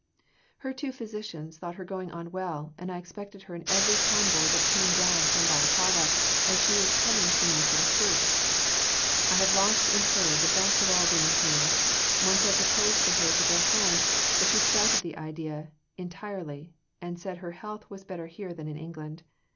Her two physicians thought her going on well, and I expected her in every convoy that came down from Balaclava, as she was coming to me to recruit. I have lost in her the best of all the women here. Once I proposed to her to go home, but she scouted the idea entirely and said her health was better here than in England.